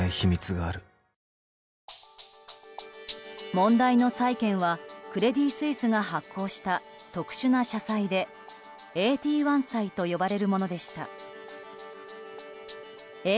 問題の債券はクレディ・スイスが発行した特殊な社債でＡＴ１債と呼ばれるものでした。